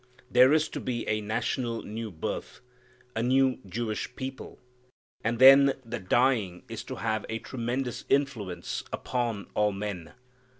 There is to be a national new birth. A new Jewish people. And then the dying is to have a tremendous influence upon all men.